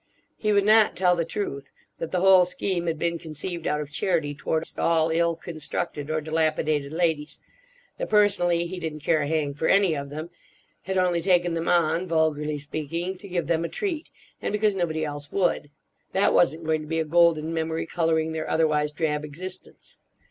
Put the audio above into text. He would not tell the truth: that the whole scheme had been conceived out of charity towards all ill constructed or dilapidated ladies; that personally he didn't care a hang for any of them; had only taken them on, vulgarly speaking, to give them a treat, and because nobody else would. That wasn't going to be a golden memory, colouring their otherwise drab existence.